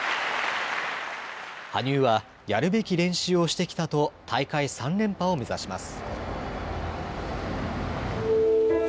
羽生は、やるべき練習をしてきたと大会３連覇を目指します。